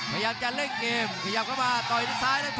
และฉนำเก็บกันลงไล่